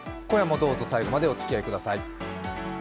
今夜もどうぞ最後までお付き合いください。